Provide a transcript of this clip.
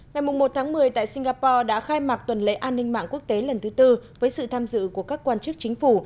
ngày một một mươi tại singapore đã khai mạc tuần lễ an ninh mạng quốc tế lần thứ tư với sự tham dự của các quan chức chính phủ